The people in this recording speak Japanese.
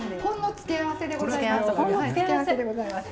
付け合わせでございます。